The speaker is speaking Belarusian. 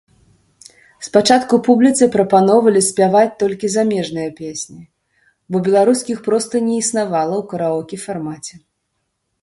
Спачатку публіцы прапаноўвалі спяваць толькі замежныя песні, бо беларускіх проста не існавала ў караоке-фармаце.